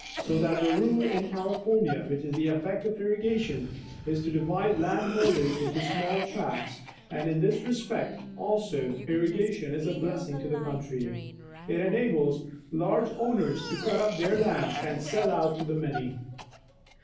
So that the rule in California, which is the effect of irrigation, is to divide land holdings into small tracts, and in this respect, also, irrigation is a blessing to the country. It enables large owners to cut up their lands and sell out to the many.